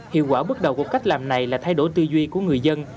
hiệu quả bước đầu của cách làm này là thay đổi tư duy của người dân